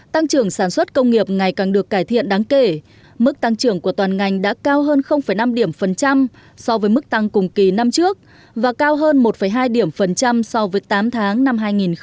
tăng trưởng sản xuất công nghiệp ngày càng được cải thiện đáng kể mức tăng trưởng của toàn ngành đã cao hơn năm điểm phần trăm so với mức tăng cùng kỳ năm trước và cao hơn một hai điểm phần trăm so với tám tháng năm hai nghìn một mươi tám